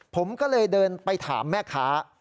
ผมก็เลยเดินไปถามแม่ค้า